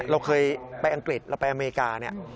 เราเคยไปอังกฤษเราไปอเมริกาเนี่ย